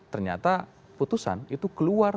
ternyata putusan itu keluar